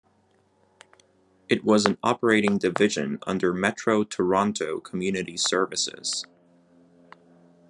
It was an operating division under Metro Toronto Community Services.